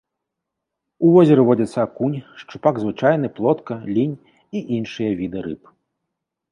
У возеры водзяцца акунь, шчупак звычайны, плотка, лінь і іншыя віды рыб.